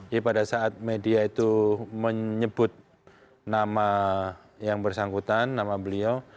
jadi pada saat media itu menyebut nama yang bersangkutan nama beliau